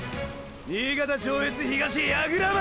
新潟上越東櫓丸！！